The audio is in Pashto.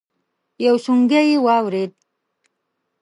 يو سونګی يې واورېد.